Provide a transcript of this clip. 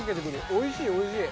おいしいおいしい。